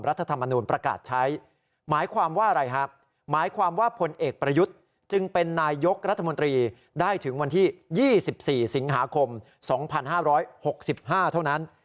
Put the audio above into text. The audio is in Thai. รัฐธรรมนูญประกาศใช้หมายความว่าอะไรครับหมายความว่าพลเอกประยุทธ์จึงเป็นนายยกรัฐมนตรีได้ถึงวันที่๒๔สิงหาคม๒๕๖๕เท่านั้น